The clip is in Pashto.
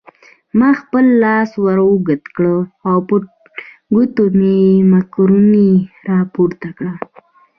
ما خپل لاس ور اوږد کړ او په ګوتو مې مکروني راپورته کړل.